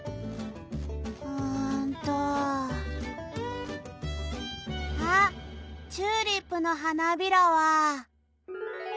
・うんとあっチューリップのはなびらは。